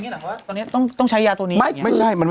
มีสารตั้งต้นเนี่ยคือยาเคเนี่ยใช่ไหมคะ